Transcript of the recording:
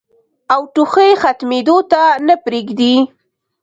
او ټوخی ختمېدو ته نۀ پرېږدي